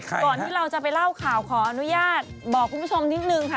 ก่อนที่เราจะไปเล่าข่าวขออนุญาตบอกคุณผู้ชมนิดนึงค่ะ